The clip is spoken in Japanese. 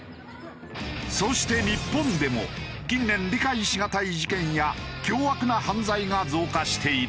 そして日本でも近年理解しがたい事件や凶悪な犯罪が増加している。